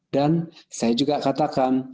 dan saya juga katakan